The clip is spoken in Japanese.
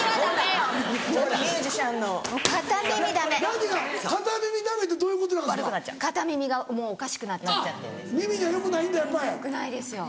よくないですよ